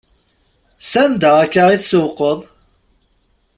S anda akka i tsewwqeḍ?